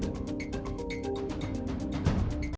tim liputan cnn indonesia